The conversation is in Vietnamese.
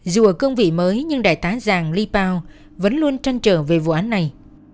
dù ở công vị mới nhưng đại tá giàng lê bao vẫn luôn trăn trở về vụ án này